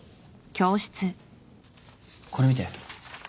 これ見て。